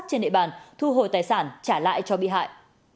trên địa bàn thu hồi tài sản trả lại cho bị hại